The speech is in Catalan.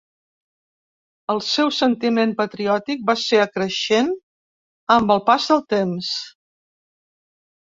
El seu sentiment patriòtic va ser acreixent amb el pas del temps.